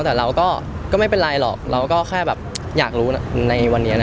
แต่เราก็ไม่เป็นไรหรอกเราก็แค่แบบอยากรู้ในวันนี้นะ